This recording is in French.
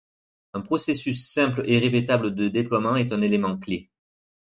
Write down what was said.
Un processus simple et répétable de déploiement est un élément clé.